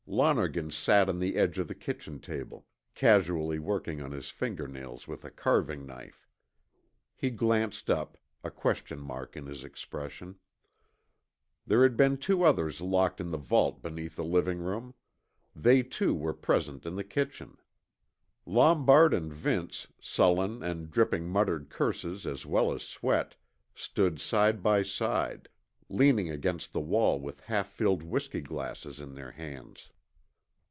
Lonergan sat on the edge of the kitchen table, casually working on his fingernails with a carving knife. He glanced up, a question mark in his expression. There had been two others locked in the vault beneath the living room. They, too, were present in the kitchen. Lombard and Vince, sullen, and dripping muttered curses as well as sweat, stood side by side, leaning against the wall with half filled whisky glasses in their hands.